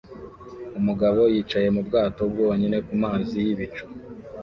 Umugabo yicaye mu bwato bwonyine ku mazi yibicu